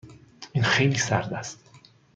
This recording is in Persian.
این خیلی سرد است.